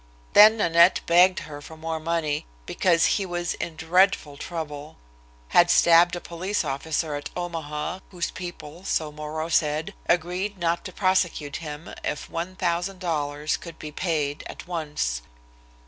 Then Nanette begged her for more money, because he was in dreadful trouble; had stabbed a police officer at Omaha, whose people, so Moreau said, agreed not to prosecute him if one thousand dollars could be paid at once.